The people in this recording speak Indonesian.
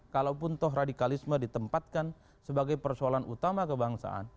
kalaupun toh radikalisme ditempatkan sebagai persoalan utama kebangsaan